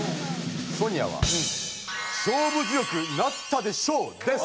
ソニアは「勝負強くなったで賞」です！